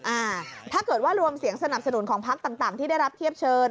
อ่าถ้าเกิดว่ารวมเสียงสนับสนุนของพักต่างที่ได้รับเทียบเชิญ